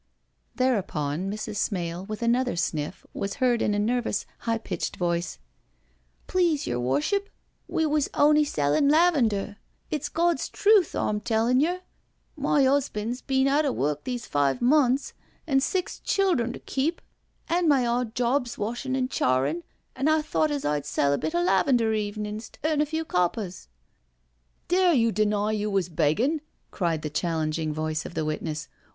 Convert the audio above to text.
Thereupon, Mrs. Smale, with another sniff, was heard in a nervous, high pitched voice: " Please, yer Worship, we was on'y sellin' lavender, it's Gawd's truth arm tellin' yer. My 'usband's been awt o' work these five mons, an' six childern to keep on my odd jobs washin' an' charin', an* I thought as I'd sell a bit o* lavender evenin's, t'eami a few coppers. '*" Dare you deny you was beggin'?" cried the chal lenging voice of the witness.